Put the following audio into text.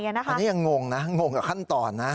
อันนี้ยังงงนะงงกับขั้นตอนนะ